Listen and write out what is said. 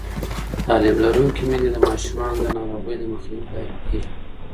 تعلیم لرونکې میندې د ماشومانو د ناروغۍ مخنیوي لارې پېژني.